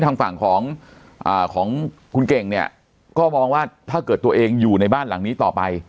ทางฝั่งของของคุณเก่งเนี่ยก็มองว่าถ้าเกิดตัวเองอยู่ในบ้านหลังนี้ต่อไป